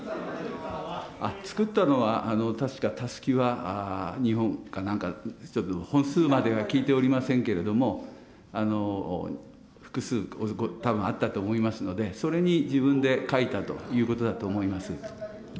作ったのは確か、たすきは２本かなんか、ちょっと本数までは聞いておりませんけれども、複数たぶんあったと思いますので、それに自分で書いたということだと思います。